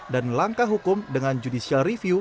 dan langkah hukum dengan judicial review